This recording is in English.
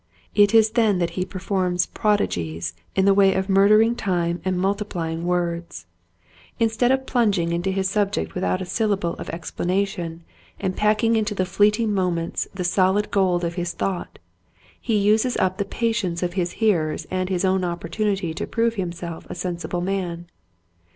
It is then that he performs prodi gies in the way of murdering time and multiplying words. Instead of plunging 152 Quiet Hints to Growing Preachers. into his subject without a syllable of ex planation and packing into the fleeting moments the solid gold of his thought he uses up the patience of his hearers and his own opportunity to prove himself a sensible man.